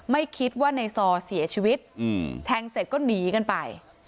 ไม่คิดว่าในซอเสียชีวิตแทงเสร็จก็หนีกันไป